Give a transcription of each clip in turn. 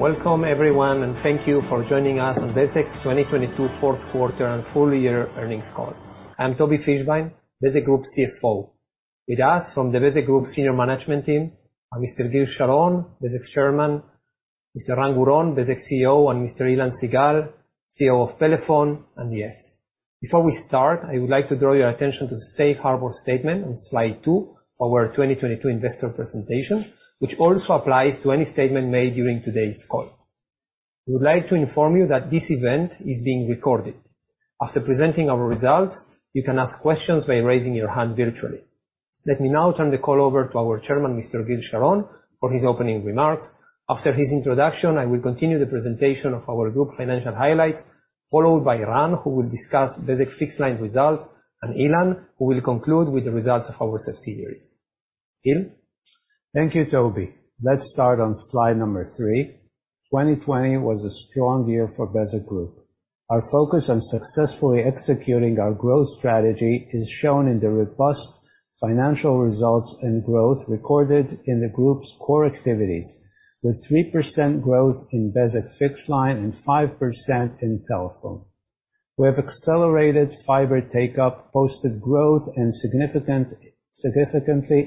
Welcome everyone. Thank you for joining us on Bezeq's 2022 fourth quarter and full year earnings call. I'm Tobi Fischbein, Bezeq Group CFO. With us from the Bezeq Group senior management team are Mr. Gil Sharon, Bezeq's chairman, Mr. Ran Guron, Bezeq CEO, and Mr. Ilan Sigal, CEO of Pelephone and yes. Before we start, I would like to draw your attention to the safe harbor statement on slide two, our 2022 investor presentation, which also applies to any statement made during today's call. We would like to inform you that this event is being recorded. After presenting our results, you can ask questions by raising your hand virtually. Let me now turn the call over to our chairman, Mr. Gil Sharon, for his opening remarks. After his introduction, I will continue the presentation of our group financial highlights, followed by Ran, who will discuss Bezeq Fixed-Line results, and Ilan, who will conclude with the results of our subsidiaries. Gil? Thank you, Tobi. Let's start on slide number three. 2020 was a strong year for Bezeq Group. Our focus on successfully executing our growth strategy is shown in the robust financial results and growth recorded in the group's core activities, with 3% growth in Bezeq Fixed-Line and 5% in Pelephone. We have accelerated fiber take-up, posted growth, and significantly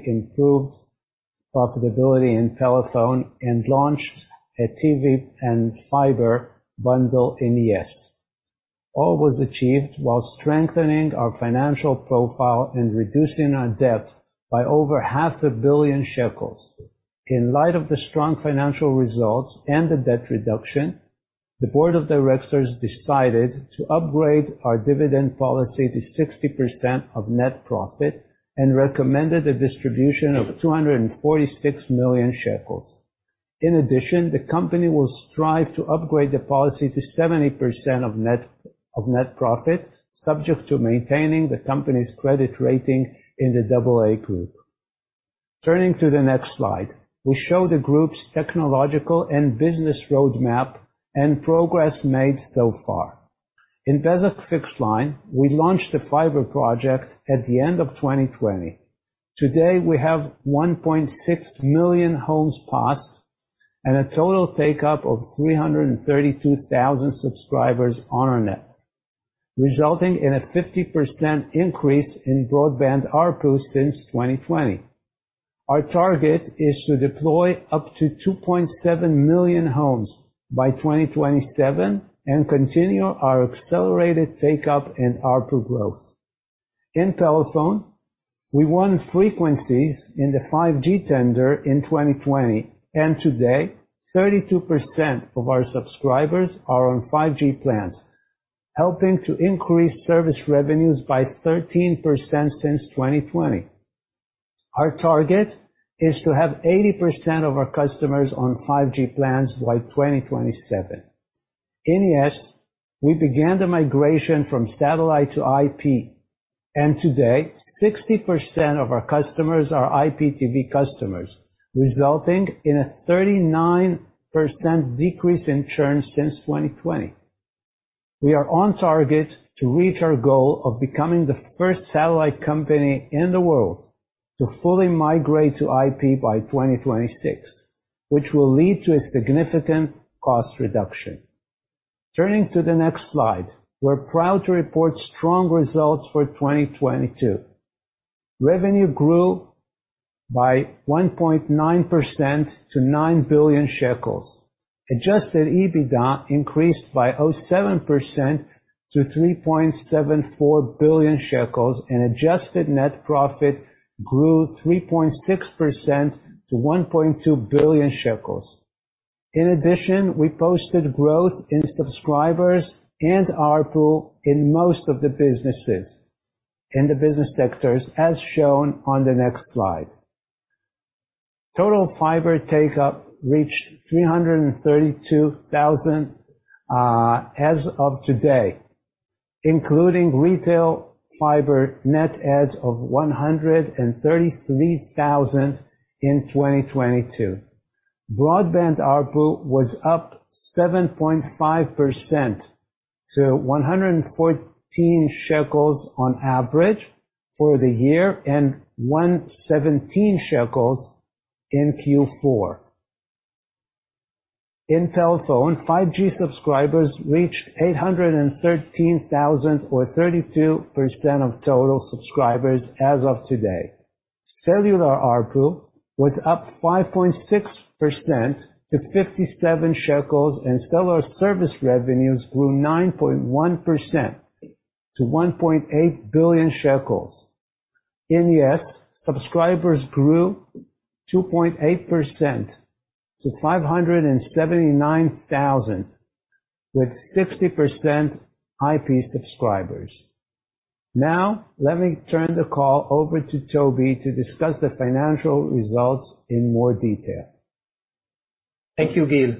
improved profitability in Pelephone and launched a TV and fiber bundle in yes. All was achieved while strengthening our financial profile and reducing our debt by over 0.5 billion shekels. In light of the strong financial results and the debt reduction, the board of directors decided to upgrade our dividend policy to 60% of net profit and recommended a distribution of 246 million shekels. The company will strive to upgrade the policy to 70% of net profit, subject to maintaining the company's credit rating in the AA group. We show the group's technological and business roadmap and progress made so far. In Bezeq Fixed-Line, we launched a fiber project at the end of 2020. Today, we have 1.6 million homes passed and a total take-up of 332,000 subscribers on our net, resulting in a 50% increase in broadband ARPU since 2020. Our target is to deploy up to 2.7 million homes by 2027 and continue our accelerated take-up and ARPU growth. In Pelephone, we won frequencies in the 5G tender in 2020. Today, 32% of our subscribers are on 5G plans, helping to increase service revenues by 13% since 2020. Our target is to have 80% of our customers on 5G plans by 2027. In yes, we began the migration from satellite to IP. Today, 60% of our customers are IPTV customers, resulting in a 39% decrease in churn since 2020. We are on target to reach our goal of becoming the first satellite company in the world to fully migrate to IP by 2026, which will lead to a significant cost reduction. Turning to the next slide. We're proud to report strong results for 2022. Revenue grew by 1.9% to 9 billion shekels. Adjusted EBITDA increased by 7% to 3.74 billion shekels, and adjusted net profit grew 3.6% to 1.2 billion shekels. In addition, we posted growth in subscribers and ARPU in most of the businesses, in the business sectors, as shown on the next slide. Total fiber take-up reached 332,000 as of today, including retail fiber net adds of 133,000 in 2022. Broadband ARPU was up 7.5% to 114 shekels on average for the year and 117 shekels in Q4. In Pelephone, 5G subscribers reached 813,000 or 32% of total subscribers as of today. Cellular ARPU was up 5.6% to 57 shekels and cellular service revenues grew 9.1% to 1.8 billion shekels. In yes, subscribers grew 2.8% to 579,000 with 60% IP subscribers. Now, let me turn the call over to Tobi Fischbein to discuss the financial results in more detail. Thank you, Gil.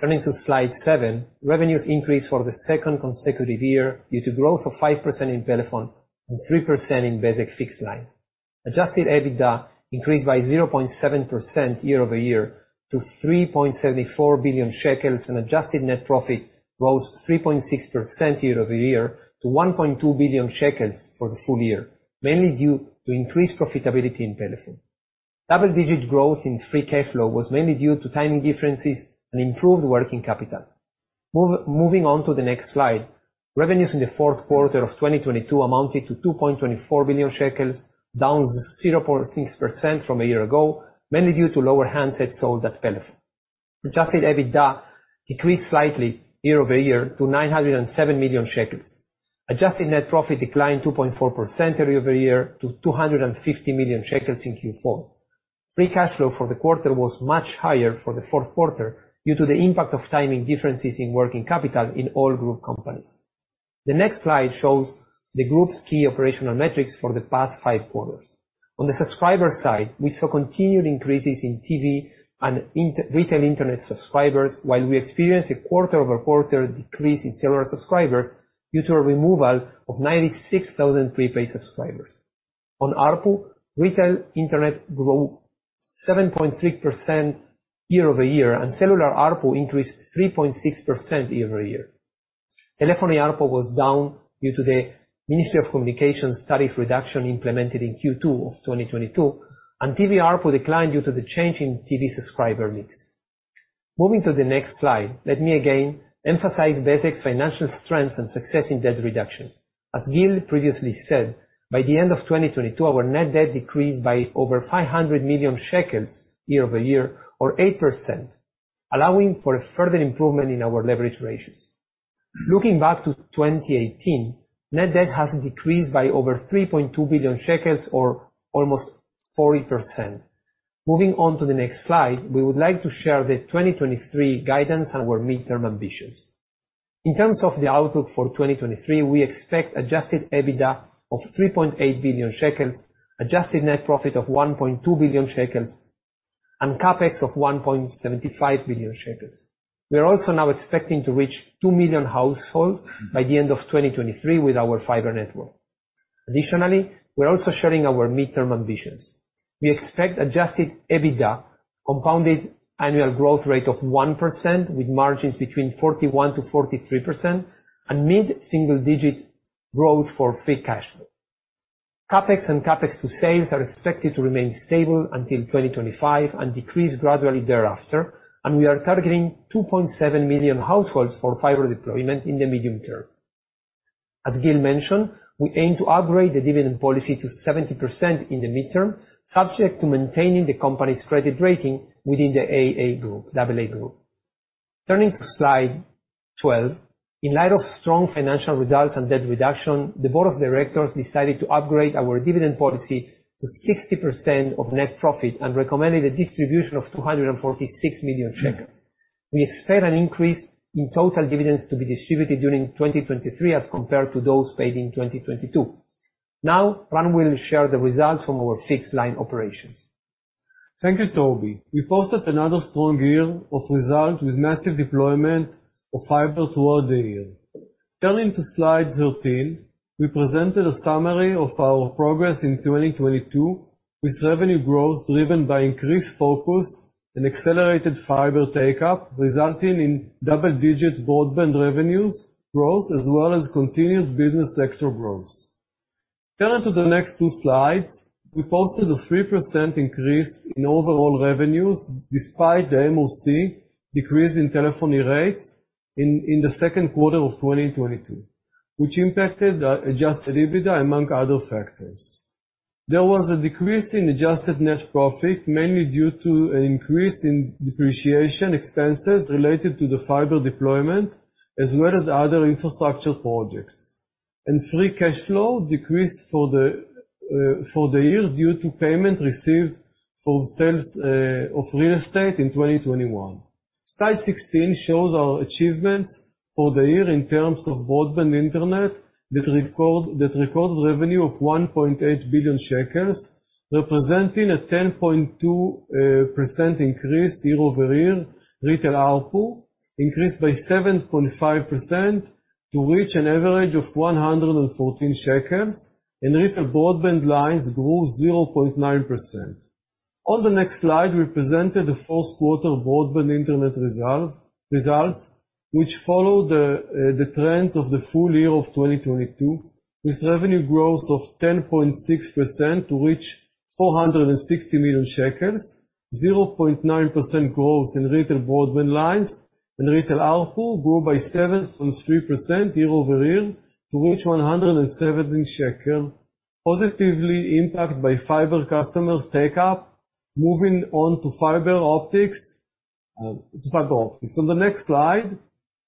Turning to slide 7, revenues increased for the second consecutive year due to growth of 5% in Pelephone and 3% in Bezeq Fixed-Line. Adjusted EBITDA increased by 0.7% year-over-year to 3.74 billion shekels, and adjusted net profit rose 3.6% year-over-year to 1.2 billion shekels for the full year, mainly due to increased profitability in Pelephone. Double-digit growth in free cash flow was mainly due to timing differences and improved working capital. Moving on to the next slide. Revenues in the fourth quarter of 2022 amounted to 2.24 billion shekels, down 0.6% from a year ago, mainly due to lower handsets sold at Pelephone. Adjusted EBITDA decreased slightly year-over-year to 907 million shekels. Adjusted net profit declined 2.4% year-over-year to 250 million shekels in Q4. Free cash flow for the quarter was much higher for the fourth quarter due to the impact of timing differences in working capital in all group companies. The next slide shows the group's key operational metrics for the past fiive quarters. On the subscriber side, we saw continued increases in TV and retail internet subscribers, while we experienced a quarter-over-quarter decrease in several subscribers due to a removal of 96,000 prepaid subscribers. On ARPU, retail internet grew 7.3% year-over-year, and cellular ARPU increased 3.6% year-over-year. Telephony ARPU was down due to the Ministry of Communications tariff reduction implemented in Q2 of 2022, and TV ARPU declined due to the change in TV subscriber mix. Moving to the next slide, let me again emphasize Bezeq's financial strength and success in debt reduction. As Gil previously said, by the end of 2022, our net debt decreased by over 500 million shekels year-over-year, or 8%, allowing for a further improvement in our leverage ratios. Looking back to 2018, net debt has decreased by over 3.2 billion shekels or almost 40%. Moving on to the next slide, we would like to share the 2023 guidance and our midterm ambitions. In terms of the outlook for 2023, we expect adjusted EBITDA of 3.8 billion shekels, adjusted net profit of 1.2 billion shekels, and CapEx of 1.75 billion shekels. We are also now expecting to reach 2 million households by the end of 2023 with our fiber network. We're also sharing our midterm ambitions. We expect adjusted EBITDA compounded annual growth rate of 1%, with margins between 41%-43% and mid-single digit growth for free cash flow. CapEx and CapEx to sales are expected to remain stable until 2025 and decrease gradually thereafter, and we are targeting 2.7 million households for fiber deployment in the medium term. As Gil mentioned, we aim to upgrade the dividend policy to 70% in the midterm, subject to maintaining the company's credit rating within the AA group. Turning to slide 12. In light of strong financial results and debt reduction, the board of directors decided to upgrade our dividend policy to 60% of net profit and recommended a distribution of 246 million shekels. We expect an increase in total dividends to be distributed during 2023 as compared to those paid in 2022. Now, Ran will share the results from our fixed line operations. Thank you, Tobi. We posted another strong year of results with massive deployment of fiber throughout the year. Turning to slide 13, we presented a summary of our progress in 2022, with revenue growth driven by increased focus and accelerated fiber take-up, resulting in double-digit broadband revenues growth, as well as continued business sector growth. Turning to the next two slides, we posted a 3% increase in overall revenues despite the MOC decrease in telephony rates in the second quarter of 2022, which impacted the adjusted EBITDA, among other factors. There was a decrease in adjusted net profit, mainly due to an increase in depreciation expenses related to the fiber deployment, as well as other infrastructure projects. Free cash flow decreased for the year due to payment received for sales of real estate in 2021. Slide 16 shows our achievements for the year in terms of broadband internet that recorded revenue of 1.8 billion shekels, representing a 10.2% increase year-over-year. Retail ARPU increased by 7.5% to reach an average of 114 shekels, and retail broadband lines grew 0.9%. On the next slide, we presented the fourth quarter broadband internet results, which follow the trends of the full year of 2022, with revenue growth of 10.6% to reach 460 million shekels, 0.9% growth in retail broadband lines, and retail ARPU grew by 7.3% year-over-year to reach 117 shekel, positively impacted by fiber customers take-up. Moving on to fiber optics. On the next slide,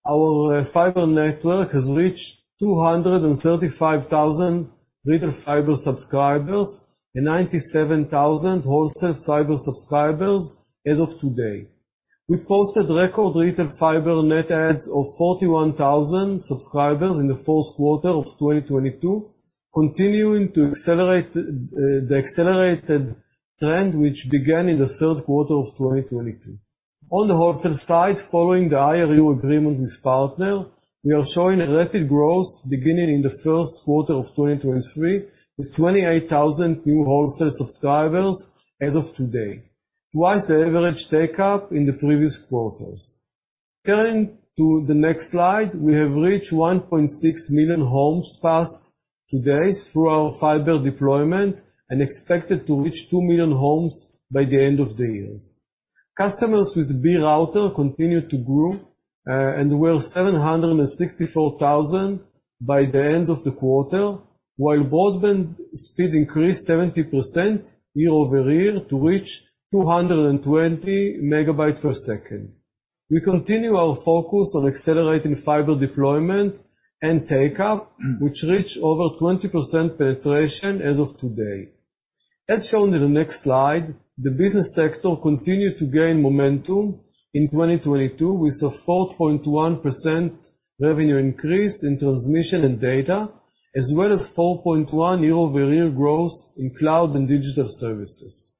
our fiber network has reached 235,000 retail fiber subscribers and 97,000 wholesale fiber subscribers as of today. We posted record retail fiber net adds of 41,000 subscribers in the fourth quarter of 2022, continuing to accelerate the accelerated trend, which began in the third quarter of 2022. On the wholesale side, following the IRU agreement with Partner, we are showing a rapid growth beginning in the first quarter of 2023, with 28,000 new wholesale subscribers as of today, twice the average take-up in the previous quarters. Turning to the next slide, we have reached 1.6 million homes passed today through our fiber deployment and expected to reach 2 million homes by the end of the year. Customers with Be router continued to grow, and were 764,000 by the end of the quarter, while broadband speed increased 70% year-over-year to reach 220 Mbps. We continue our focus on accelerating fiber deployment and take-up, which reached over 20% penetration as of today. As shown in the next slide, the business sector continued to gain momentum in 2022, with a 4.1% revenue increase in transmission and data, as well as 4.1% year-over-year growth in cloud and digital services.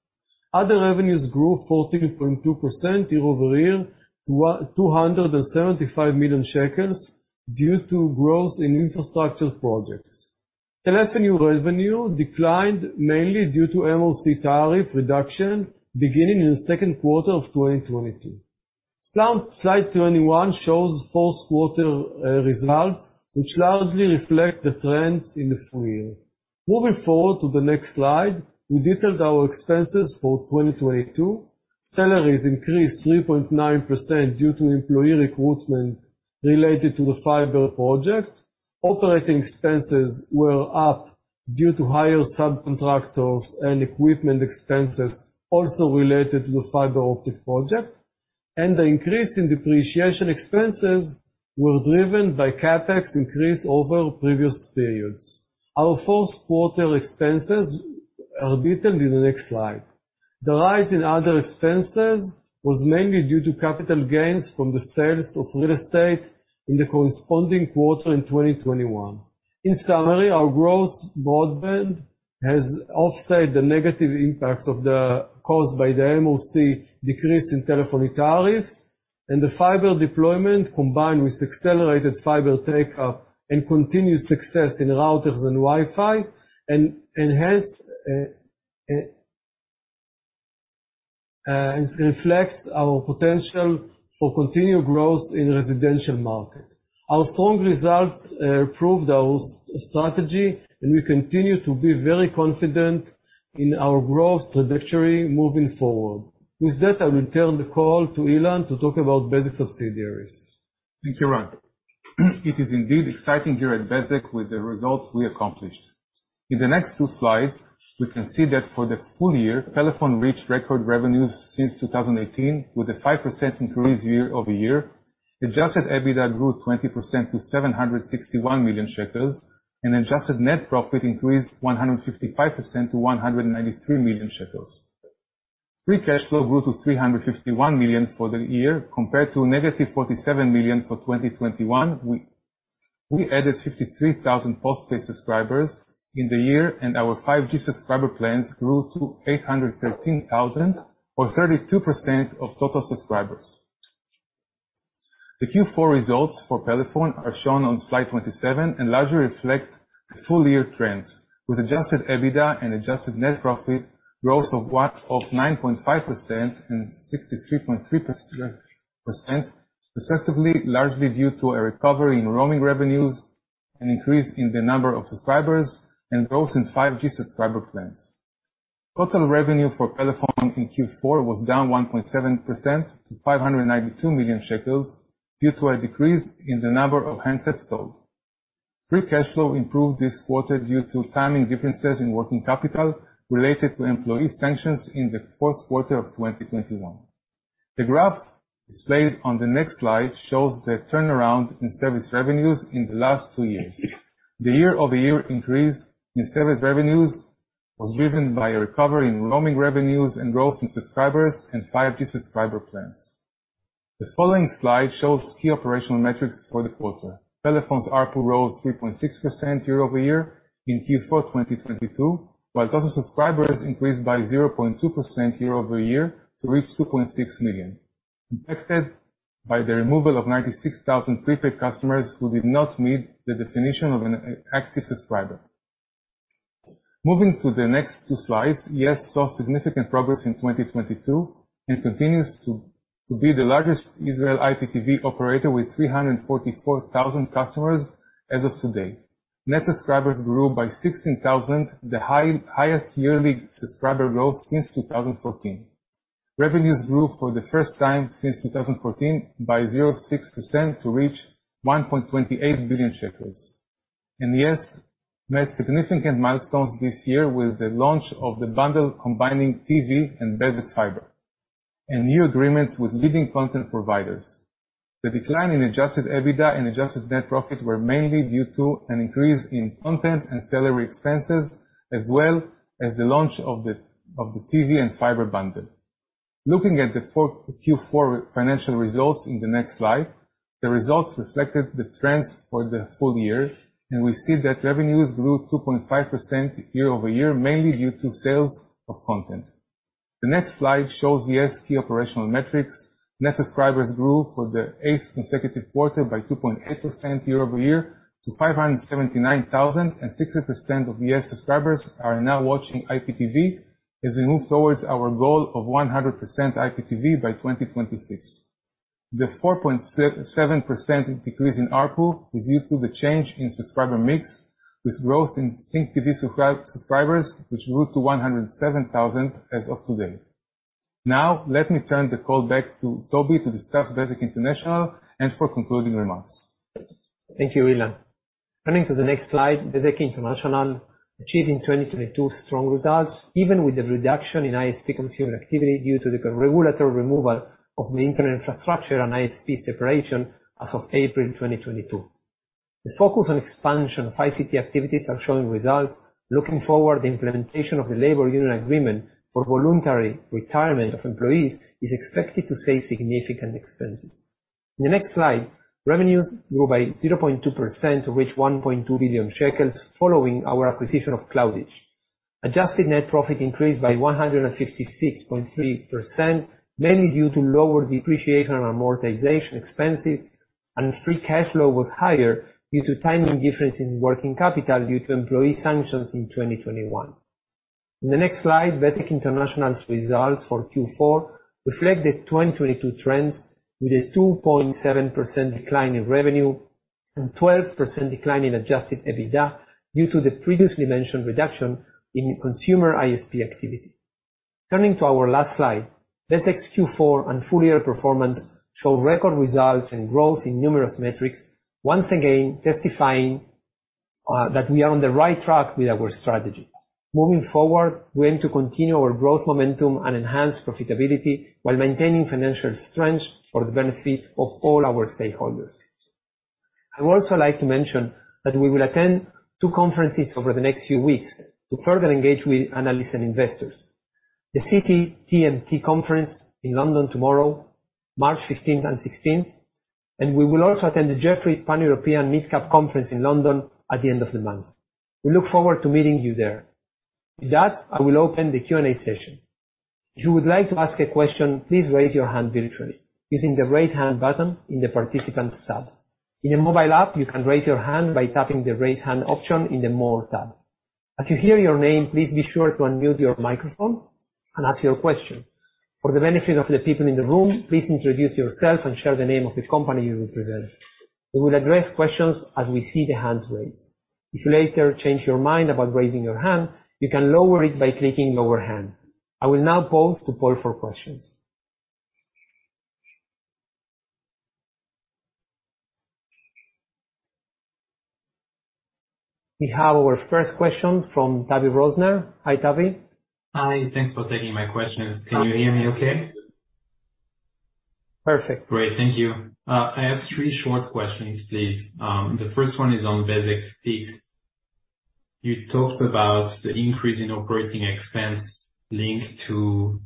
Other revenues grew 14.2% year-over-year to 275 million shekels due to growth in infrastructure projects. Telephone revenue declined mainly due to MOC tariff reduction, beginning in the second quarter of 2022. Slide 21 shows fourth quarter results, which largely reflect the trends in the full year. Moving forward to the next slide, we detailed our expenses for 2022. Salaries increased 3.9% due to employee recruitment related to the fiber project. Operating expenses were up due to higher subcontractors and equipment expenses also related to the fiber optic project. The increase in depreciation expenses were driven by CapEx increase over previous periods. Our fourth quarter expenses are detailed in the next slide. The rise in other expenses was mainly due to capital gains from the sales of real estate in the corresponding quarter in 2021. In summary, our growth broadband has offset the negative impact caused by the MOC decrease in telephony tariffs. The fiber deployment combined with accelerated fiber take-up and continued success in routers and Wi-Fi, and enhance, it reflects our potential for continued growth in residential market. Our strong results, prove those strategy, and we continue to be very confident in our growth trajectory moving forward. With that, I will turn the call to Ilan to talk about Bezeq's subsidiaries. Thank you, Ran. It is indeed exciting here at Bezeq with the results we accomplished. In the next two slides, we can see that for the full year, Pelephone reached record revenues since 2018, with a 5% increase year-over-year. Adjusted EBITDA grew 20% to 761 million shekels, and adjusted net profit increased 155% to 193 million shekels. Free cash flow grew to 351 million for the year, compared to -47 million for 2021. We added 53,000 postpaid subscribers in the year, and our 5G subscriber plans grew to 813,000, or 32% of total subscribers. The Q4 results for Pelephone are shown on slide 27 and largely reflect full year trends, with adjusted EBITDA and adjusted net profit growth of 9.5% and 63.3%, respectively, largely due to a recovery in roaming revenues, an increase in the number of subscribers, and growth in 5G subscriber plans. Total revenue for Pelephone in Q4 was down 1.7% to 592 million shekels due to a decrease in the number of handsets sold. Free cash flow improved this quarter due to timing differences in working capital related to employee sanctions in the fourth quarter of 2021. The graph displayed on the next slide shows the turnaround in service revenues in the last two years. The year-over-year increase in service revenues was driven by a recovery in roaming revenues and growth in subscribers and 5G subscriber plans. The following slide shows key operational metrics for the quarter. Pelephone's ARPU rose 3.6% year-over-year in Q4 2022, while total subscribers increased by 0.2% year-over-year to reach 2.6 million, impacted by the removal of 96,000 prepaid customers who did not meet the definition of an active subscriber. Moving to the next two slides, yes saw significant progress in 2022 and continues to be the largest Israel IPTV operator with 344,000 customers as of today. Net subscribers grew by 16,000, the highest yearly subscriber growth since 2014. Revenues grew for the first time since 2014 by 0.6% to reach 1.28 billion shekels. yes, net significant milestones this year with the launch of the bundle combining TV and basic fiber and new agreements with leading content providers. The decline in adjusted EBITDA and adjusted net profit were mainly due to an increase in content and salary expenses, as well as the launch of the TV and fiber bundle. Looking at Q4 financial results in the next slide, the results reflected the trends for the full year, we see that revenues grew 2.5% year-over-year, mainly due to sales of content. The next slide shows yes, key operational metrics. Net subscribers grew for the eighth consecutive quarter by 2.8% year-over-year to 579,000, and 60% of yes subscribers are now watching IPTV as we move towards our goal of 100% IPTV by 2026. The 4.7% decrease in ARPU is due to the change in subscriber mix, with growth in Stick TV subscribers which grew to 107,000 as of today. Now let me turn the call back to Tobi to discuss Bezeq International and for concluding remarks. Thank you, Elan. Turning to the next slide, Bezeq International achieved in 2022 strong results, even with the reduction in ISP consumer activity due to the regulatory removal of the internet infrastructure and ISP separation as of April 2022. The focus on expansion of ICT activities are showing results. Looking forward, the implementation of the labor union agreement for voluntary retirement of employees is expected to save significant expenses. In the next slide, revenues grew by 0.2% to reach 1.2 billion shekels, following our acquisition of CloudEdge. Adjusted net profit increased by 156.3%, mainly due to lower depreciation and amortization expenses, and free cash flow was higher due to timing differences in working capital due to employee sanctions in 2021. In the next slide, Bezeq International's results for Q4 reflect the 2022 trends, with a 2.7% decline in revenue and 12% decline in adjusted EBITDA, due to the previously mentioned reduction in consumer ISP activity. Turning to our last slide, Bezeq's Q4 and full year performance showed record results and growth in numerous metrics. Once again, testifying that we are on the right track with our strategy. Moving forward, we aim to continue our growth momentum and enhance profitability while maintaining financial strength for the benefit of all our stakeholders. I would also like to mention that we will attend two conferences over the next few weeks to further engage with analysts and investors. The Citi TMT Conference in London tomorrow, March 15th and 16th. We will also attend the Jefferies Pan-European Mid-Cap Conference in London at the end of the month. We look forward to meeting you there. With that, I will open the Q&A session. If you would like to ask a question, please raise your hand virtually using the Raise Hand button in the Participant tab. In the mobile app, you can raise your hand by tapping the Raise Hand option in the More tab. As you hear your name, please be sure to unmute your microphone and ask your question. For the benefit of the people in the room, please introduce yourself and share the name of the company you represent. We will address questions as we see the hands raised. If you later change your mind about raising your hand, you can lower it by clicking Lower Hand. I will now pause to poll for questions. We have our first question from Tavy Rosner. Hi, Tavy. Hi. Thanks for taking my questions. Can you hear me okay? Perfect. Great. Thank you. I have three short questions, please. The first one is on Bezeq Fixed-Line. You talked about the increase in operating expense linked to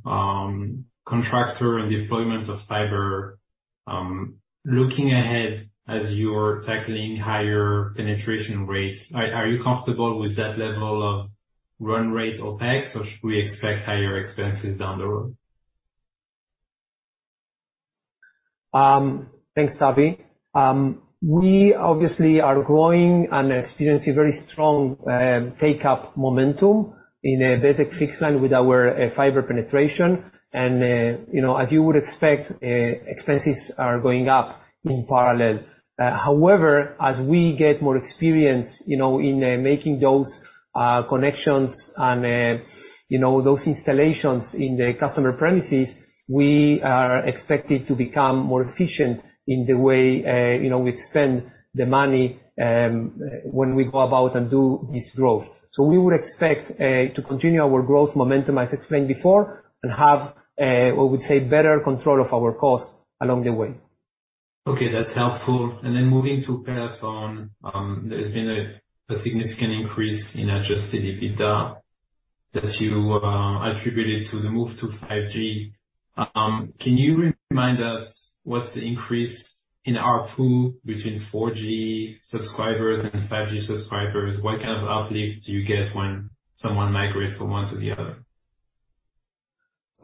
contractor and deployment of fiber. Looking ahead as you're tackling higher penetration rates, are you comfortable with that level of run rate OpEx, or should we expect higher expenses down the road? Thanks, Tavy. We obviously are growing and experiencing very strong take-up momentum in Bezeq Fixed-Line with our fiber penetration. You know, as you would expect, expenses are going up in parallel. However, as we get more experience, you know, in making those connections and, you know, those installations in the customer premises, we are expected to become more efficient in the way, you know, we spend the money when we go about and do this growth. We would expect to continue our growth momentum as explained before, and have, what I would say, better control of our costs along the way. Okay, that's helpful. Moving to Pelephone, there's been a significant increase in adjusted EBITDA that you attributed to the move to 5G. Can you remind us what's the increase in ARPU between 4G subscribers and 5G subscribers? What kind of uplift do you get when someone migrates from one to the other?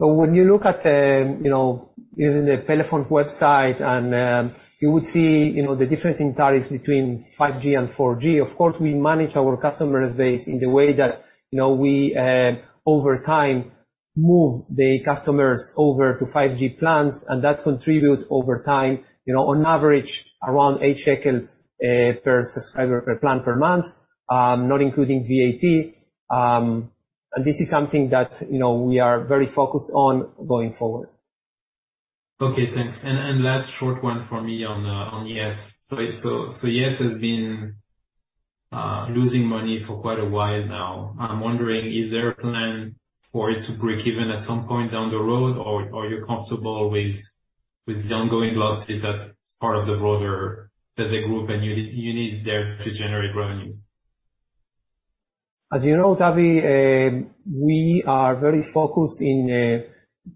When you look at, you know, even the Pelephone website and, you would see, you know, the difference in tariffs between 5G and 4G. Of course, we manage our customer base in the way that, you know, we over time, move the customers over to 5G plans, and that contribute over time, you know, on average around 8 shekels per subscriber per plan per month, not including VAT. This is something that, you know, we are very focused on going forward. Okay, thanks. Last short one for me on yes. yes has been losing money for quite a while now. I'm wondering, is there a plan for it to break even at some point down the road or you're comfortable with the ongoing losses as part of the broader Bezeq Group and you need there to generate revenues? As you know, Tavy, we are very focused in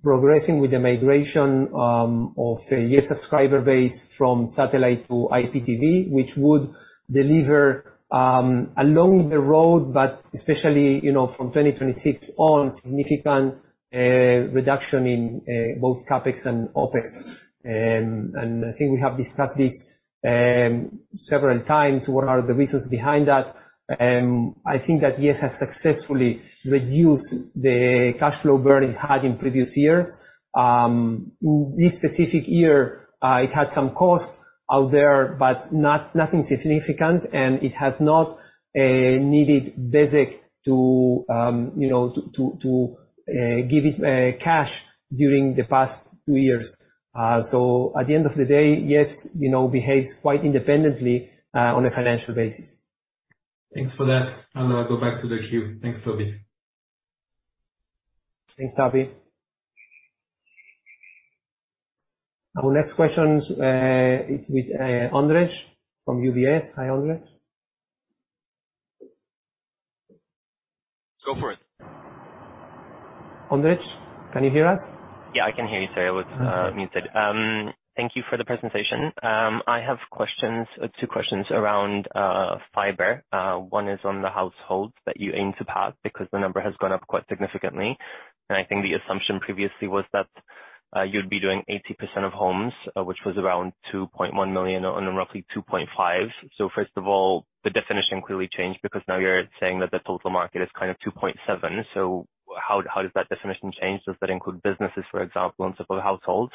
progressing with the migration of a yes subscriber base from satellite to IPTV, which would deliver, along the road, but especially, you know, from 2026 on, significant reduction in both CapEx and OpEx. I think we have discussed this several times, what are the reasons behind that. I think that yes has successfully reduced the cash flow burden it had in previous years. This specific year, it had some costs out there, but nothing significant, and it has not needed Bezeq to, you know, to give it cash during the past 2 years. At the end of the day, yes, you know, behaves quite independently on a financial basis. Thanks for that. I'll go back to the queue. Thanks, Tobi. Thanks, Tavy. Our next question is with Andres from UBS. Hi, Andres. Go for it. Andres, can you hear us? Yeah, I can hear you, sorry. I was muted. Thank you for the presentation. I have two questions around fiber. One is on the households that you aim to pass, because the number has gone up quite significantly. I think the assumption previously was that you'd be doing 80% of homes, which was around 2.1 million on a roughly 2.5. First of all, the definition clearly changed because now you're saying that the total market is kind of 2.7. How does that definition change? Does that include businesses, for example, on top of households?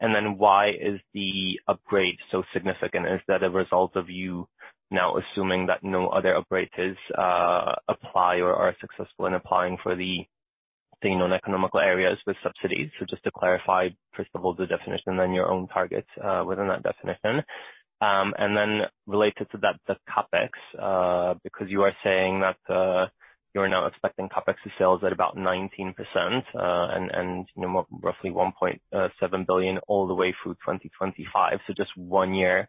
Then why is the upgrade so significant? Is that a result of you now assuming that no other operators apply or are successful in applying for the non-economical areas with subsidies? Just to clarify, first of all the definition, then your own targets, within that definition. Related to that, the CapEx, because you are saying that, you're now expecting CapEx to sales at about 19%, and you know, roughly 1.7 billion all the way through 2025. Just one year,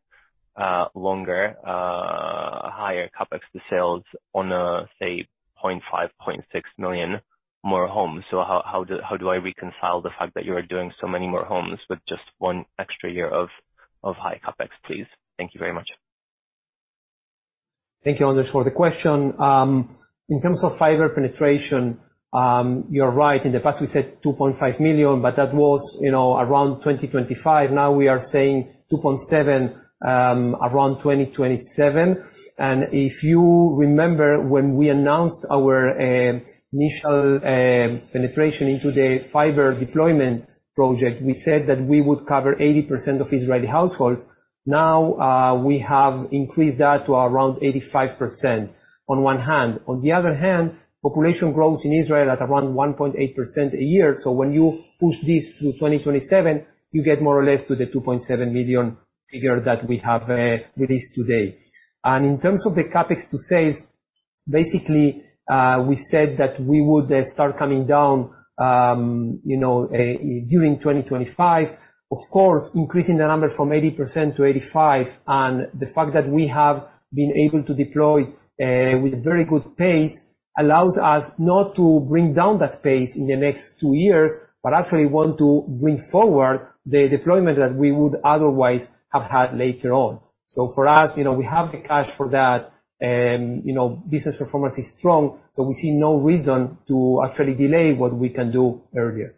longer, higher CapEx to sales on a, say, 0.5 million-0.6 million more homes. How do I reconcile the fact that you are doing so many more homes with just one extra year of high CapEx, please? Thank you very much. Thank you, Andres, for the question. In terms of fiber penetration, you're right. In the past, we said 2.5 million, but that was, you know, around 2025. We are saying 2.7, around 2027. If you remember when we announced our initial penetration into the fiber deployment project, we said that we would cover 80% of Israeli households. We have increased that to around 85% on one hand. On the other hand, population grows in Israel at around 1.8% a year. When you push this to 2027, you get more or less to the 2.7 million figure that we have released today. In terms of the CapEx to sales, basically, we said that we would start coming down, you know, during 2025. Of course, increasing the number from 80% to 85%, and the fact that we have been able to deploy with very good pace, allows us not to bring down that pace in the next two years, but actually want to bring forward the deployment that we would otherwise have had later on. For us, you know, we have the cash for that. You know, business performance is strong, we see no reason to actually delay what we can do earlier.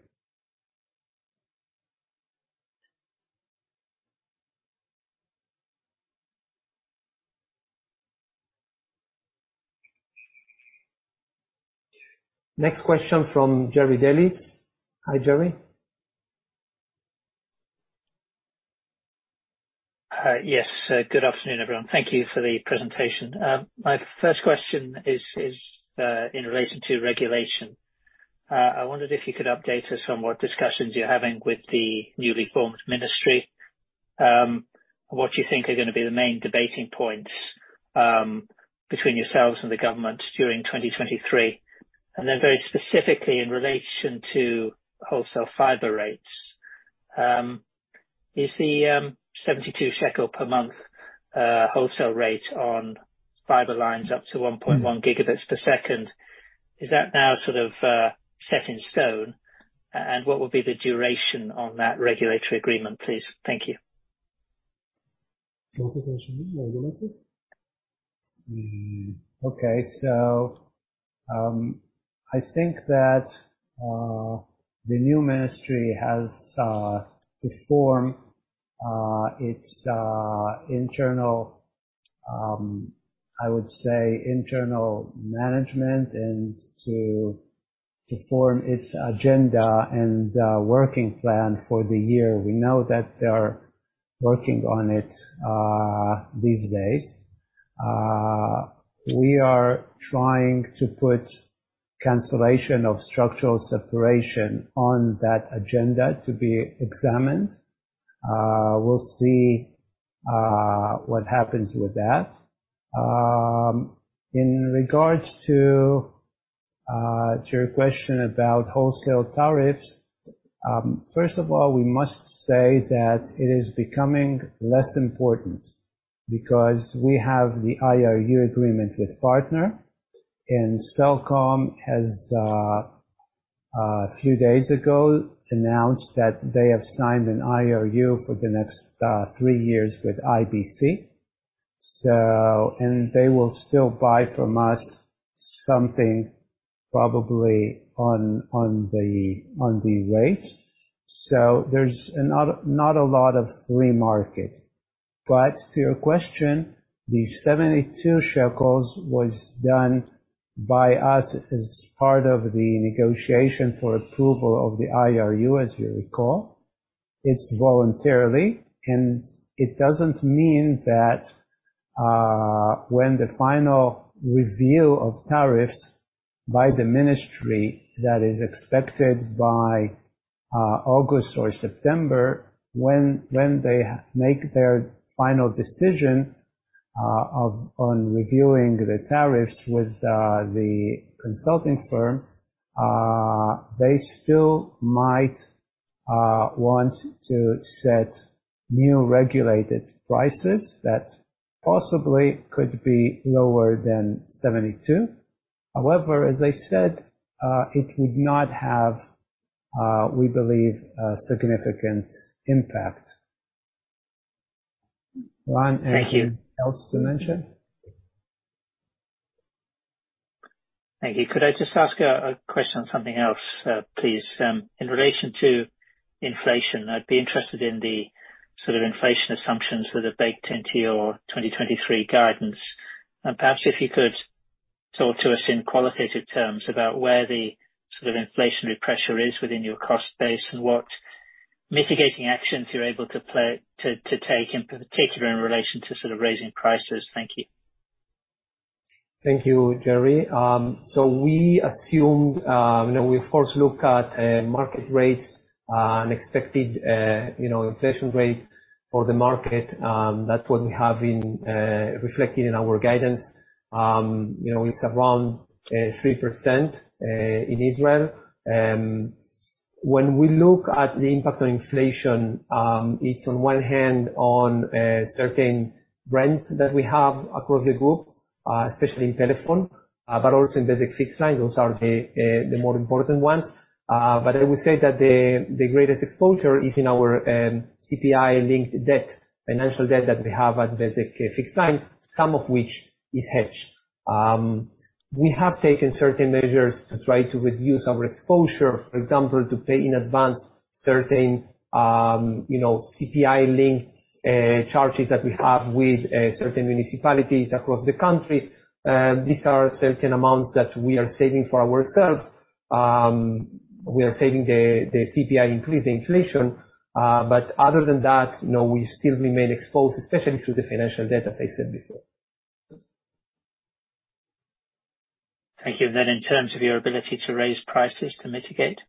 Next question from Jerry Dellis. Hi, Jerry. Yes. Good afternoon, everyone. Thank you for the presentation. My first question is in relation to regulation. I wondered if you could update us on what discussions you're having with the newly formed Ministry? What you think are gonna be the main debating points between yourselves and the government during 2023? Very specifically, in relation to wholesale fiber rates, is the 72 shekel per month wholesale rate on fiber lines up to 1.1 Gbps, is that now sort of set in stone? What would be the duration on that regulatory agreement, please? Thank you. regulatory. Okay. I think that the new ministry has to form its internal management and to form its agenda and working plan for the year. We know that they are working on it these days. We are trying to put cancellation of structural separation on that agenda to be examined. We'll see what happens with that. In regards to your question about wholesale tariffs, first of all, we must say that it is becoming less important because we have the IRU agreement with Partner, and Cellcom has a few days ago announced that they have signed an IRU for the next three years with IBC. They will still buy from us something. Probably on the, on the rates. There's not a lot of free market. To your question, the 72 shekels was done by us as part of the negotiation for approval of the IRU, as you recall. It's voluntarily, and it doesn't mean that when the final review of tariffs by the ministry that is expected by August or September, when they make their final decision on reviewing the tariffs with the consulting firm, they still might want to set new regulated prices that possibly could be lower than 72. As I said, it would not have, we believe, a significant impact. Ron, anything else to mention? Thank you. Could I just ask a question on something else, please? In relation to inflation, I'd be interested in the sort of inflation assumptions that are baked into your 2023 guidance. Perhaps if you could talk to us in qualitative terms about where the sort of inflationary pressure is within your cost base and what mitigating actions you're able to take, in particular in relation to sort of raising prices. Thank you. Thank you, Jerry. We assumed... You know, we first look at market rates and expected, you know, inflation rate for the market. That's what we have been reflecting in our guidance. You know, it's around 3% in Israel. When we look at the impact on inflation, it's on one hand on certain brands that we have across the group, especially in Pelephone, but also in Bezeq Fixed-Line. Those are the more important ones. I would say that the greatest exposure is in our CPI-linked debt, financial debt that we have at Bezeq Fixed-Line, some of which is hedged. We have taken certain measures to try to reduce our exposure, for example, to pay in advance certain, you know, CPI-linked charges that we have with certain municipalities across the country. These are certain amounts that we are saving for ourselves. We are saving the CPI increase, the inflation. Other than that, you know, we still remain exposed, especially through the financial debt, as I said before. Thank you. In terms of your ability to raise prices to mitigate?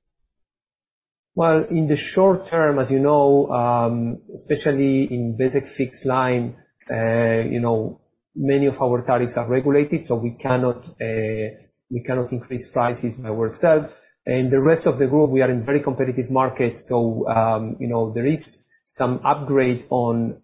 In the short term, as you know, especially in Bezeq Fixed-Line, you know, many of our tariffs are regulated, so we cannot increase prices by ourselves. In the rest of the group, we are in very competitive markets so, you know, there is some upgrade on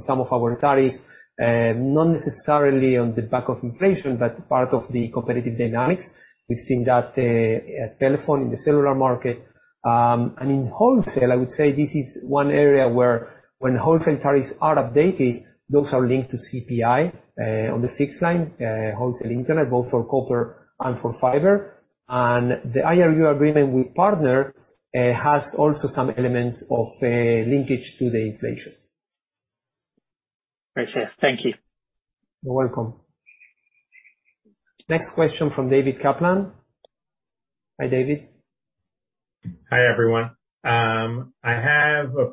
some of our tariffs, not necessarily on the back of inflation, but part of the competitive dynamics. We've seen that at Pelephone in the cellular market. In wholesale, I would say this is one area where when wholesale tariffs are updated, those are linked to CPI on the fixed line wholesale internet, both for copper and for fiber. The IRU agreement with Partner has also some elements of a linkage to the inflation. Right. Thank you. You're welcome. Next question from David Kaplan. Hi, David. Hi, everyone.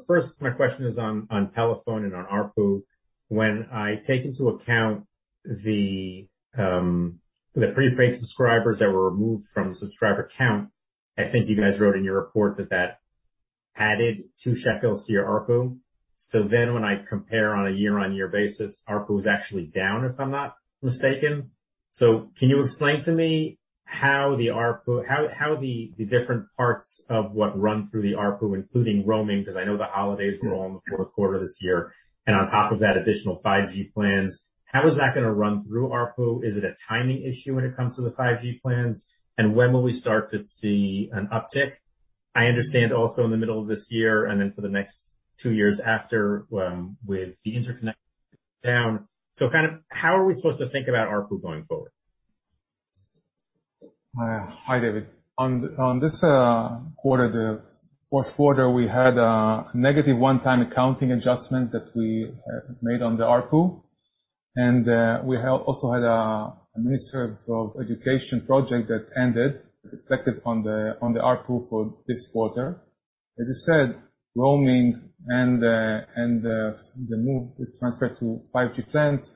First, my question is on Pelephone and on ARPU. When I take into account the prepaid subscribers that were removed from subscriber count, I think you guys wrote in your report that that added 2 shekels to your ARPU. When I compare on a year-on-year basis, ARPU is actually down, if I'm not mistaken. Can you explain to me how the ARPU, how the different parts of what run through the ARPU, including roaming, because I know the holidays were all in the fourth quarter this year, and on top of that, additional 5G plans. How is that gonna run through ARPU? Is it a timing issue when it comes to the 5G plans? When will we start to see an uptick? I understand also in the middle of this year and then for the next two years after, with the interconnect down. Kind of, how are we supposed to think about ARPU going forward? Hi, David. On this quarter, the fourth quarter, we had negative one-time accounting adjustment that we made on the ARPU. We also had a Ministry of Education project that ended, reflected on the ARPU for this quarter. As you said, roaming and the move to transfer to 5G plans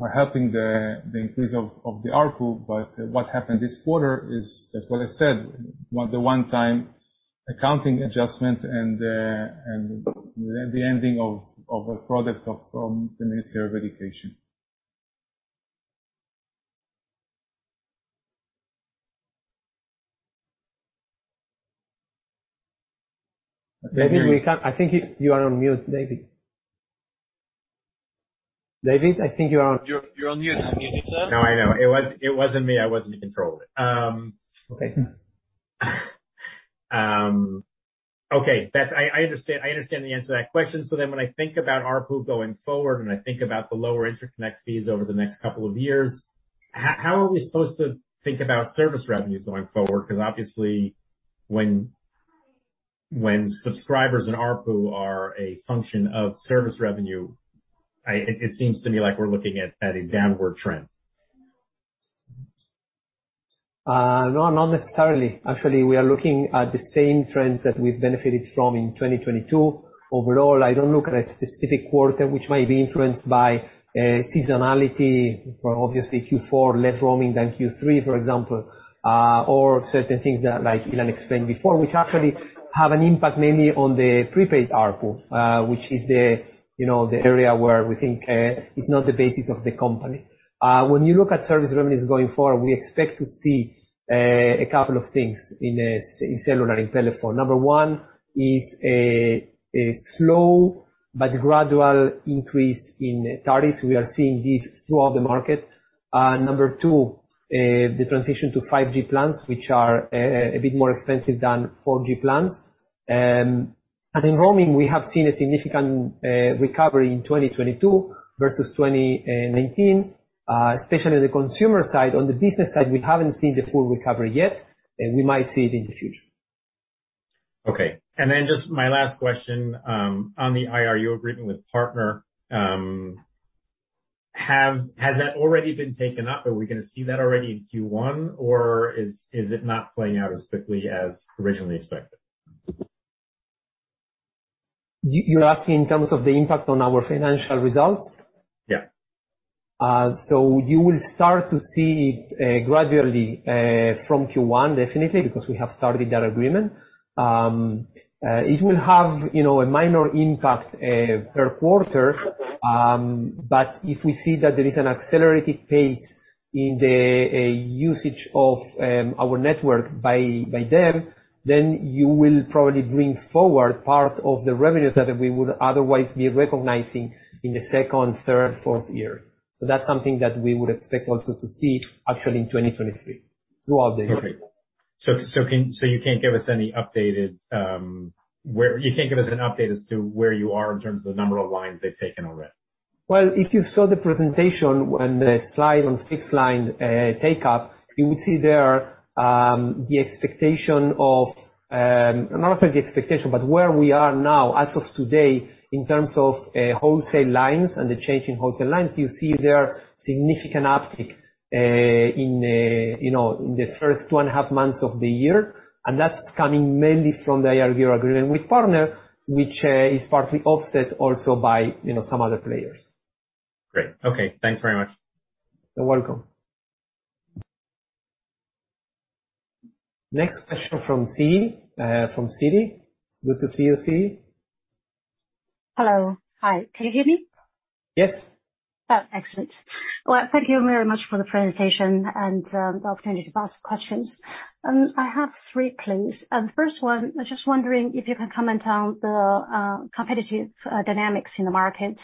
are helping the increase of the ARPU. What happened this quarter is, as what I said, the one time accounting adjustment and the ending of a product of the Ministry of Education. David, we can't... I think you are on mute, David. You're on mute. Can you hear us? No, I know. It wasn't me. I wasn't in control of it. Okay. Okay, I understand, I understand the answer to that question. When I think about ARPU going forward, and I think about the lower interconnect fees over the next couple of years, how are we supposed to think about service revenues going forward? Because obviously when subscribers and ARPU are a function of service revenue, it seems to me like we're looking at a downward trend. No, not necessarily. Actually, we are looking at the same trends that we've benefited from in 2022. Overall, I don't look at a specific quarter which might be influenced by seasonality. Obviously Q4 less roaming than Q3, for example, or certain things that, like Ilan explained before, which actually have an impact mainly on the prepaid ARPU, which is the, you know, the area where we think is not the basis of the company. When you look at service revenues going forward, we expect to see a couple of things in cellular and telephone. Number one is a slow but gradual increase in tariffs. We are seeing this throughout the market. Number two, the transition to 5G plans, which are a bit more expensive than 4G plans. In roaming, we have seen a significant recovery in 2022 versus 2019, especially the consumer side. On the business side, we haven't seen the full recovery yet, and we might see it in the future. Okay. Then just my last question, on the IRU agreement with Partner, has that already been taken up? Are we gonna see that already in Q1, or is it not playing out as quickly as originally expected? You're asking in terms of the impact on our financial results? Yeah. You will start to see it gradually from Q1, definitely, because we have started that agreement. It will have, you know, a minor impact per quarter. If we see that there is an accelerated pace in the usage of our network by them, then you will probably bring forward part of the revenues that we would otherwise be recognizing in the second, third, fourth year. That's something that we would expect also to see actually in 2023 throughout the year. Okay. You can't give us an update as to where you are in terms of the number of lines they've taken already? Well, if you saw the presentation on the slide on fixed line, take-up, you would see there, the expectation of, not only the expectation, but where we are now as of today in terms of, wholesale lines and the change in wholesale lines. You see there significant uptick, you know, in the first one half months of the year. That's coming mainly from the IRU agreement with Partner, which, is partly offset also by, you know, some other players. Great. Okay. Thanks very much. You're welcome. Next question from Cedi. It's good to see you, Cedi. Hello. Hi. Can you hear me? Yes. Oh, excellent. Well, thank you very much for the presentation and the opportunity to ask questions. I have three, please. The first one, I'm just wondering if you can comment on the competitive dynamics in the market.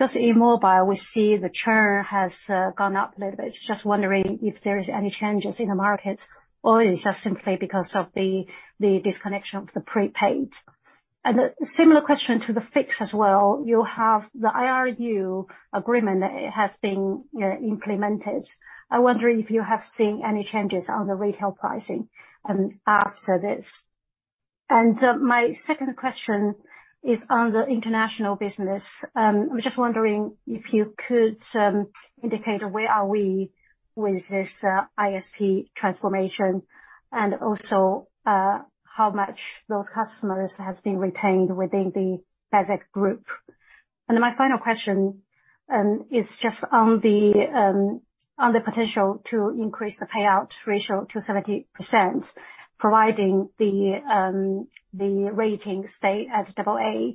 Just in mobile, we see the churn has gone up a little bit. Just wondering if there is any changes in the market or is just simply because of the disconnection of the prepaid. A similar question to the fixed as well. You have the IRU agreement that it has been implemented. I wonder if you have seen any changes on the retail pricing after this. My second question is on the international business. I'm just wondering if you could indicate where are we with this ISP transformation and also how much those customers has been retained within the Bezeq Group. My final question is just on the potential to increase the payout ratio to 70%, providing the ratings stay at AA.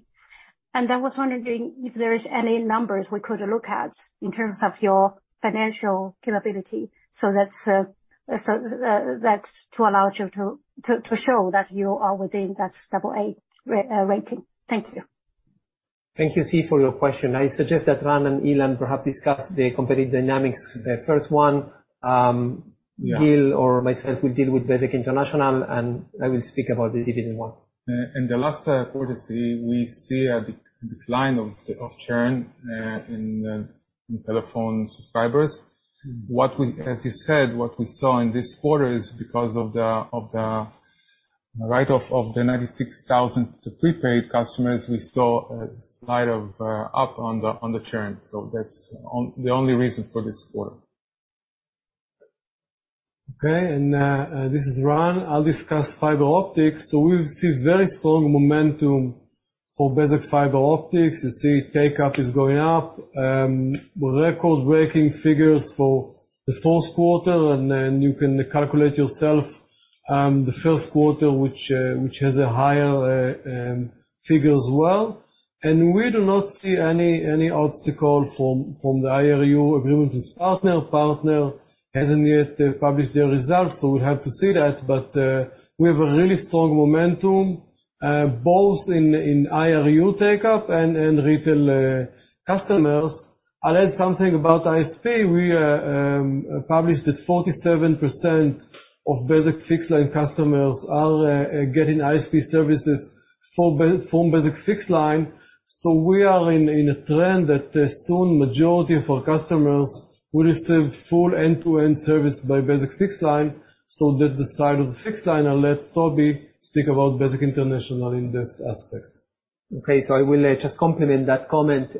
I was wondering if there is any numbers we could look at in terms of your financial capability so that's to allow you to show that you are within that AA rating. Thank you. Thank you, Cedi, for your question. I suggest that Ran and Ilan perhaps discuss the competitive dynamics, the first one. Yeah. Gil or myself will deal with Bezeq International, and I will speak about the dividend one. In the last quarter, Cedi, we see a decline of churn in telephone subscribers. As you said, what we saw in this quarter is because of the write-off of the 96,000 prepaid customers, we saw a slide up on the churn. That's the only reason for this quarter. Okay. This is Ran. I'll discuss fiber optics. We've seen very strong momentum for Bezeq fiber optics. You see take-up is going up. With record-breaking figures for the fourth quarter, then you can calculate yourself, the first quarter, which has a higher figure as well. We do not see any obstacle from the IRU agreement with Partner. Partner hasn't yet published their results, we have to see that. We have a really strong momentum. Both in IRU take up and retail customers. I'll add something about ISP. We published that 47% of Bezeq Fixed-Line customers are getting ISP services from Bezeq Fixed-Line. We are in a trend that soon majority of our customers will receive full end-to-end service by Bezeq Fixed-Line. That the side of the fixed line, I'll let Tobi speak about Bezeq International in this aspect. I will just complement that comment.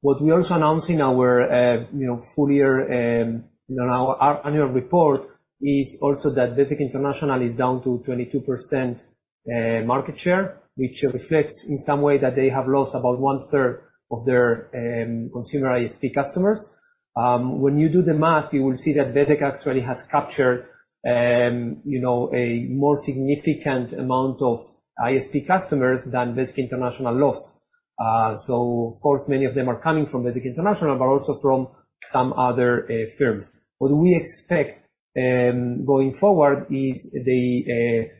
What we also announced in our, you know full year, you know, our annual report is also that Bezeq International is down to 22% market share, which reflects in some way that they have lost about 1/3 of their consumer ISP customers. When you do the math, you will see that Bezeq actually has captured, you know, a more significant amount of ISP customers than Bezeq International lost. Of course, many of them are coming from Bezeq International, but also from some other firms. What we expect going forward is the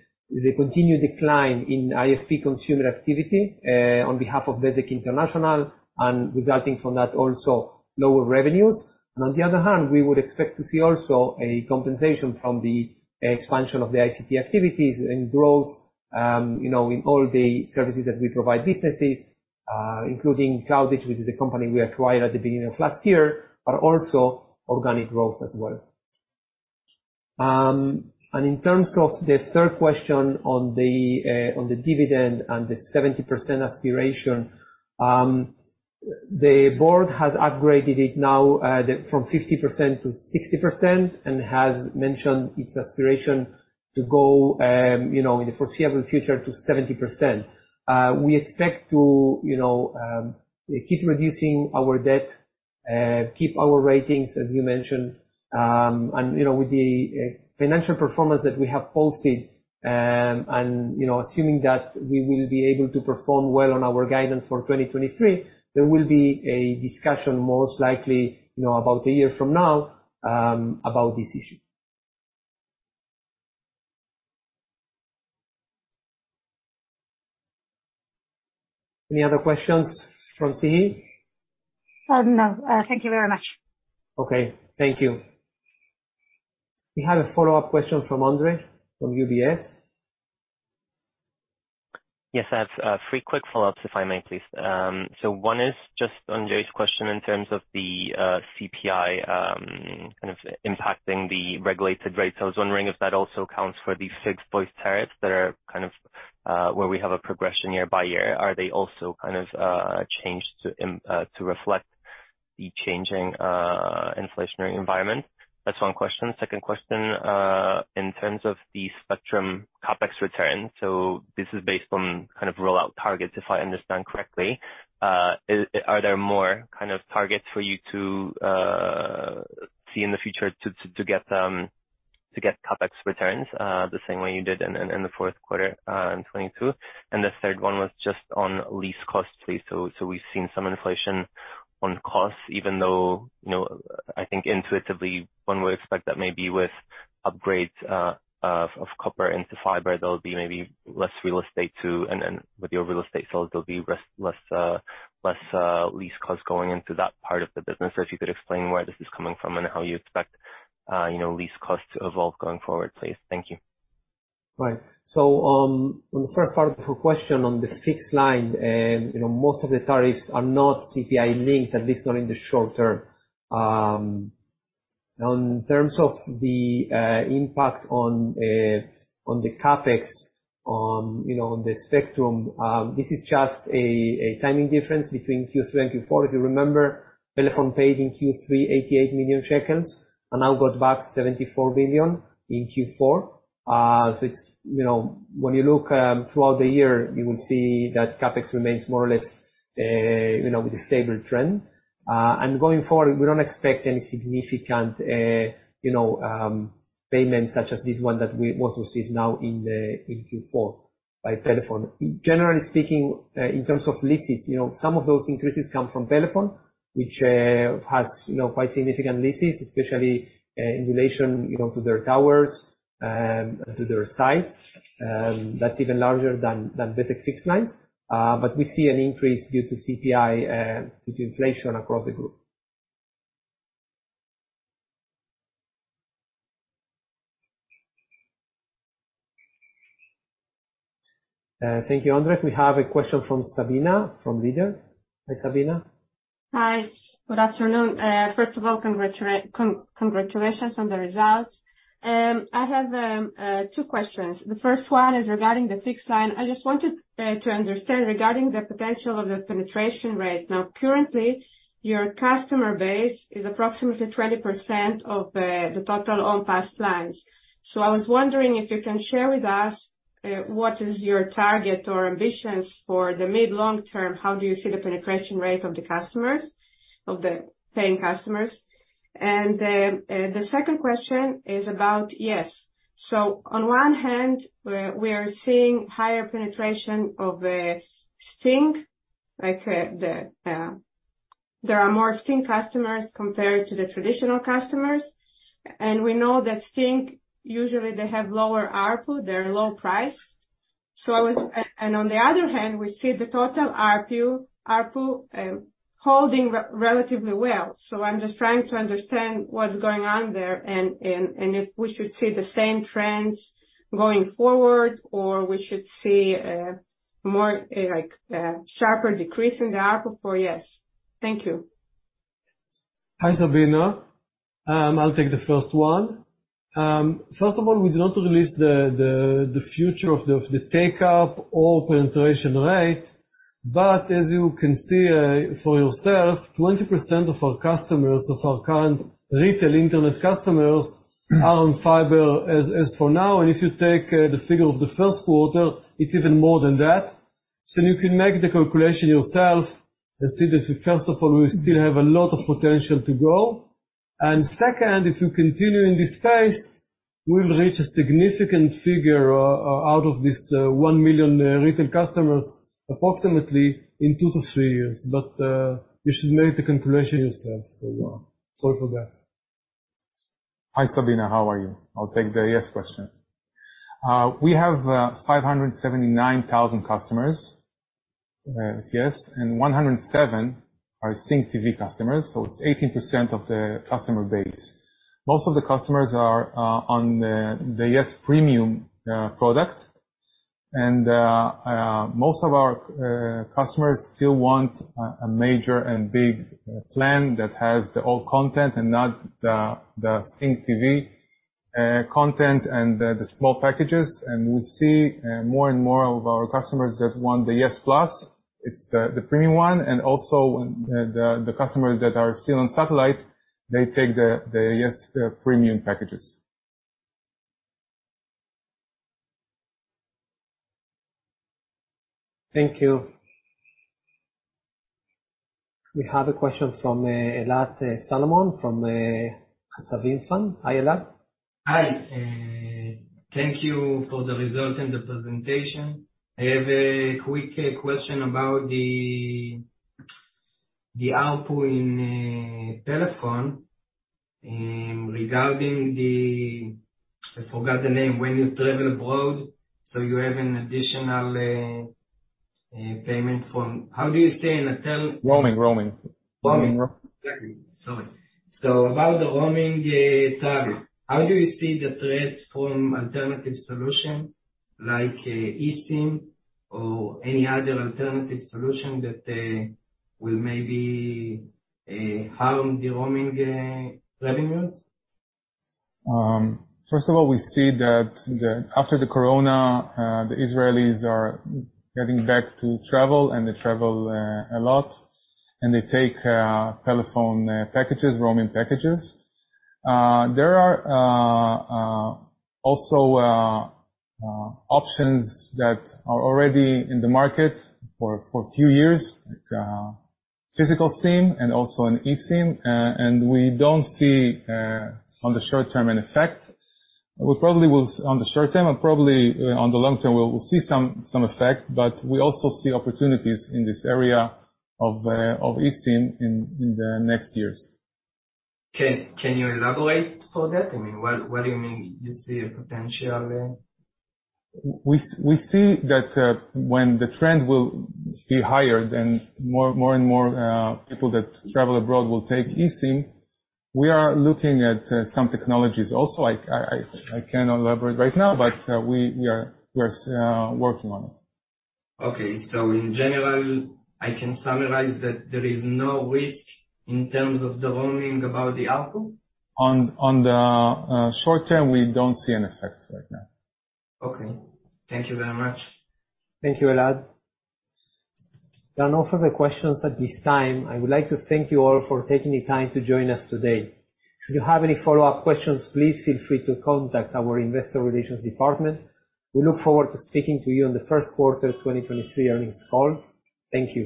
continued decline in ISP consumer activity on behalf of Bezeq International and resulting from that also lower revenues. On the other hand, we would expect to see also a compensation from the expansion of the ICT activities and growth, you know, in all the services that we provide businesses, including CloudEdge, which is a company we acquired at the beginning of last year, but also organic growth as well. In terms of the third question on the dividend and the 70% aspiration, the board has upgraded it now from 50% to 60% and has mentioned its aspiration to go, you know, in the foreseeable future to 70%. We expect to, you know, keep reducing our debt, keep our ratings, as you mentioned. You know, with the financial performance that we have posted, and, you know, assuming that we will be able to perform well on our guidance for 2023, there will be a discussion most likely, you know, about one year from now, about this issue. Any other questions from Cindy? No. Thank you very much. Okay, thank you. We have a follow-up question from Andres from UBS. Yes, I have three quick follow-ups, if I may please. One is just on Jay's question in terms of the CPI kind of impacting the regulated rates. I was wondering if that also accounts for the fixed voice tariffs that are kind of where we have a progression year-by-year. Are they also kind of changed to reflect the changing inflationary environment? That's one question. Second question, in terms of the spectrum CapEx return. This is based on kind of rollout targets, if I understand correctly. Are there more kind of targets for you to see in the future to get CapEx returns the same way you did in the fourth quarter in 2022? The third one was just on lease costs, please. We've seen some inflation on costs even though, you know, I think intuitively one would expect that maybe with upgrades of copper into fiber, there'll be maybe less real estate to... With your real estate sales, there'll be less, less lease costs going into that part of the business. If you could explain where this is coming from and how you expect, you know, lease costs to evolve going forward, please. Thank you. On the first part of your question on the fixed line, you know, most of the tariffs are not CPI linked, at least not in the short term. On terms of the impact on the CapEx on, you know, on the spectrum, this is just a timing difference between Q3 and Q4. If you remember, Pelephone paid in Q3 88 million shekels and now got back 74 million in Q4. When you look throughout the year, you will see that CapEx remains more or less, you know, with a stable trend. Going forward, we don't expect any significant, you know, payments such as this one that we also see now in Q4 by Pelephone. Generally speaking, in terms of leases, you know, some of those increases come from Pelephone, which has, you know, quite significant leases, especially, in relation, you know, to their towers, to their sites. That's even larger than Bezeq Fixed-Line. We see an increase due to CPI, due to inflation across the group. Thank you, Andre. We have a question from Sabina from Leader. Hi, Sabina. Hi, good afternoon. First of all, congratulations on the results. I have two questions. The first one is regarding the fixed line. I just wanted to understand regarding the potential of the penetration rate. Currently, your customer base is approximately 20% of the total on past lines. I was wondering if you can share with us what is your target or ambitions for the mid, long term. How do you see the penetration rate of the customers, of the paying customers? The second question is about yes. On one hand, we are seeing higher penetration of B-Sync, like, there are more STING customers compared to the traditional customers, and we know that STING, usually they have lower ARPU, they are low priced. As... On the other hand, we see the total ARPU holding relatively well. I'm just trying to understand what's going on there and if we should see the same trends going forward, or we should see, more, like, sharper decrease in the ARPU for yes? Thank you. Hi, Sabina. I'll take the first one. First of all, we do not release the, the future of the take-up or penetration rate. As you can see, for yourself, 20% of our customers, of our current retail internet customers are on fiber as for now. If you take the figure of the first quarter, it's even more than that. You can make the calculation yourself and see that, first of all, we still have a lot of potential to go. Second, if you continue in this phase, we'll reach a significant figure out of this, 1 million, retail customers approximately in two-three years. You should make the calculation yourself. Sorry for that. Hi, Sabina. How are you? I'll take the yes question. We have 579,000 customers, yes, and 107 are STINGTV customers, it's 18% of the customer base. Most of the customers are on the yes premium product. Most of our customers still want a major and big plan that has the old content and not the STINGTV content and the small packages. We see more and more of our customers that want the yes+, it's the premium one. Also the customers that are still on satellite, they take the yes premium packages. Thank you. We have a question from Elad Solomon from. Hi, Elad. Hi. thank you for the result and the presentation. I have a quick question about the ARPU in telephone, regarding the... I forgot the name. When you travel abroad, you have an additional payment from... How do you say in a tel-? Roaming. Roaming. Roaming. Exactly. Sorry. About the roaming tariff, how do you see the threat from alternative solution like eSIM or any other alternative solution that will maybe harm the roaming revenues? First of all, we see that after the Corona, the Israelis are getting back to travel, and they travel a lot, and they take telephone packages, roaming packages. There are also options that are already in the market for a few years, like physical SIM and also an eSIM. We don't see on the short-term an effect. We probably will on the short-term and probably on the long-term we'll see some effect, but we also see opportunities in this area of eSIM in the next years. Can you elaborate for that? I mean, what do you mean you see a potential? We see that when the trend will be higher, then more and more people that travel abroad will take eSIM. We are looking at some technologies also. I cannot elaborate right now, but we are working on it. In general, I can summarize that there is no risk in terms of the roaming about the ARPU? On the short-term, we don't see an effect right now. Okay. Thank you very much. Thank you, Elad. There are no further questions at this time. I would like to thank you all for taking the time to join us today. If you have any follow-up questions, please feel free to contact our investor relations department. We look forward to speaking to you on the first quarter of 2023 earnings call. Thank you.